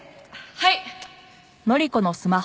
はい！